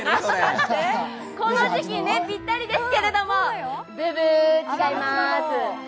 この時期にぴったりですけれども、ブブー、違います。